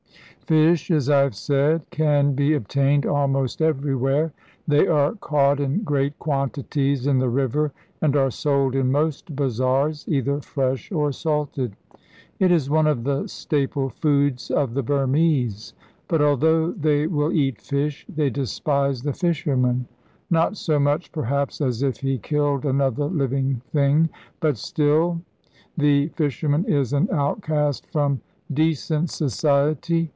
Fish, as I have said, can be obtained almost everywhere. They are caught in great quantities in the river, and are sold in most bazaars, either fresh or salted. It is one of the staple foods of the Burmese. But although they will eat fish, they despise the fisherman. Not so much, perhaps, as if he killed other living things, but still, the fisherman is an outcast from decent society.